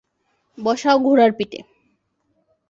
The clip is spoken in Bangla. বসাও ঘোড়ার পিঠে।